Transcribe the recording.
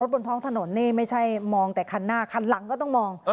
บนท้องถนนนี่ไม่ใช่มองแต่คันหน้าคันหลังก็ต้องมอง